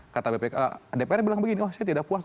kata bpk dpr bilang begini oh saya tidak puas